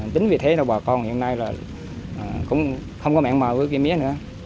chính vì thế bà con hiện nay không có mẹ mở mía nữa